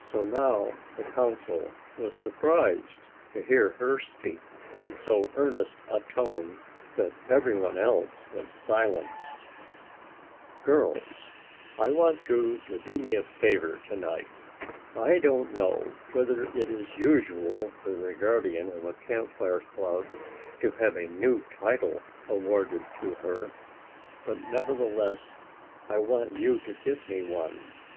So now, the Council was surprised to hear her speak in so earnest a tone that every one else was silenced: "Girls, I want you to do me a favor to night. I don't know whether it is usual for the guardian of a Camp Fire club to have a new title awarded her, but nevertheless I want you to give me one.